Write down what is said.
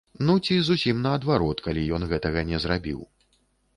Ну ці зусім наадварот, калі ён гэтага не зрабіў.